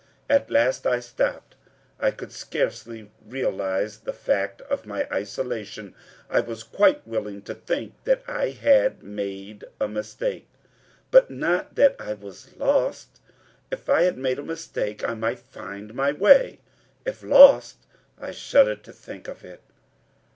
At last I stopped. I could scarcely realize the fact of my isolation. I was quite willing to think that I had made a mistake, but not that I was lost. If I had made a mistake, I might find my way; if lost I shuddered to think of it.